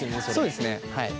そうですねはい。